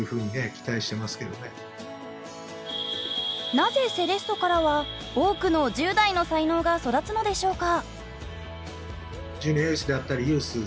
なぜセレッソからは多くの１０代の才能が育つのでしょうか？